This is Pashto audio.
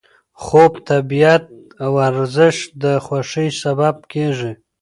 خوب، طبیعت او ورزش د خوښۍ سبب کېږي.